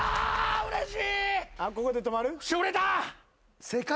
うれしい！